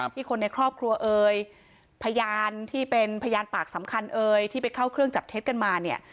คนในครอบครัวเอ่ยพยานที่เป็นพยานปากสำคัญเอ่ยที่ไปเข้าเครื่องจับเท็จกันมาเนี่ย